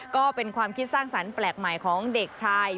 ก็เป็นความคิดสร้างสรรค์แปลกใหม่ของเด็กชาย